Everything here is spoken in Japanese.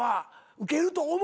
ウケると思って。